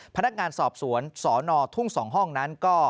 พนักงานสอบสวนสนทุ่ง๒ห้องนั้นก็